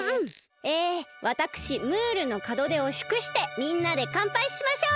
えわたくしムールのかどでをしゅくしてみんなでかんぱいしましょう！